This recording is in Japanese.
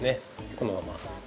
このまま。